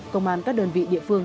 công an các đơn vị địa phương